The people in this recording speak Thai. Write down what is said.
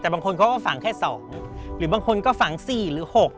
แต่บางคนเขาก็ฝังแค่๒หรือบางคนก็ฝัง๔หรือ๖